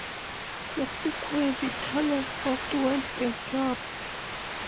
Subsequently, Talonsoft went bankrupt.